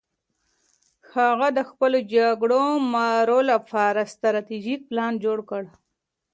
هغه د خپلو جګړه مارو لپاره ستراتیژیک پلان جوړ کړ.